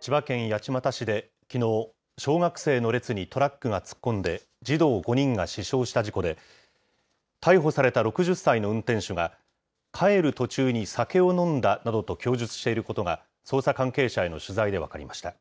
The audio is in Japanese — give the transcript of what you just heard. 千葉県八街市できのう、小学生の列にトラックが突っ込んで、児童５人が死傷した事故で、逮捕された６０歳の運転手が、帰る途中に酒を飲んだなどと供述していることが、捜査関係者への取材で分かりました。